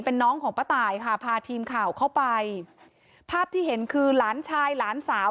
เป็นน้องของป้าตายค่ะพาทีมข่าวเข้าไปภาพที่เห็นคือหลานชายหลานสาว